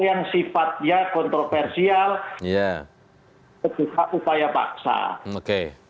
itu juga upaya paksa